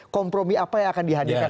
kompromi apa yang akan dihadirkan